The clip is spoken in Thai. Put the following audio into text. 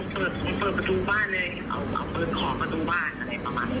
เปิดเปิดประตูบ้านเลยเอาปืนขอประตูบ้านอะไรประมาณนี้